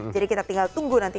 jadi kita tinggal tunggu nanti